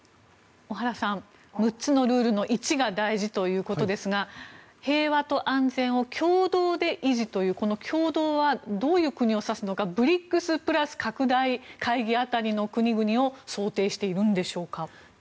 小原さん、６つのルールの１が大事ということですが平和と安全を共同で維持というこの共同はどういう国を指すのかＢＲＩＣＳプラス拡大会議当たりの国々を想定しているんでしょうか。